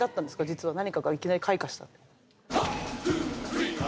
実は何かがいきなり開花したってこと？